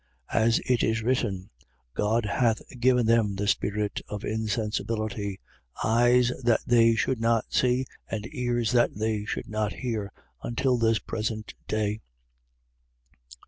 11:8. As it is written: God hath given them the spirit of insensibility; eyes that they should not see and ears that they should not hear, until this present day.